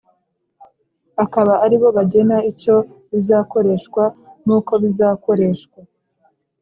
akaba aribo bagena icyo bizakoreshwa nuko bizakoreshwa